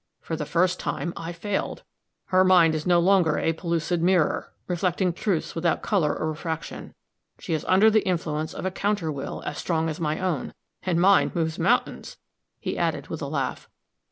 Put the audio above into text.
For the first time, I failed. Her mind is no longer a pellucid mirror, reflecting truths without color or refraction. She is under the influence of a counter will, as strong as my own and mine moves mountains," he added, with a laugh.